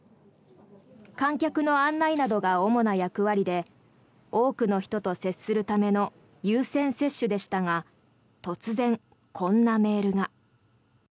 観客の案内などが主な役割で多くの人と接するための優先接種でしたが突然、こんなメールが。